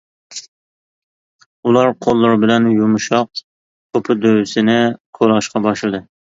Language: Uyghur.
ئۇلار قوللىرى بىلەن يۇمشاق توپا دۆۋىسىنى كولاشقا باشلىدى.